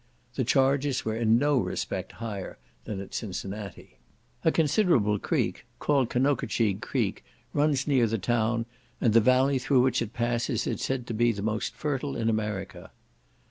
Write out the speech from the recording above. The charges were in no respect higher than at Cincinnati. A considerable creek, called Conococheque Creek, runs near the town, and the valley through which it passes is said to be the most fertile in America.